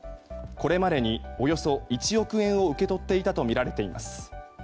これまでにおよそ１億円を受け取っていたとみられています。